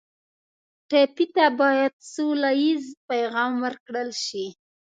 ټپي ته باید سوله ییز پیغام ورکړل شي.